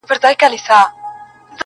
او رنګین بیرغ رپیږي په کتار کي د سیالانو،